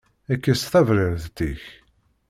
Kkes taberriḍt-ik.